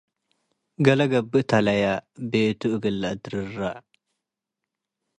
ገሌ ገብእ ተላየ - ቤቱ እግል ለአድርራ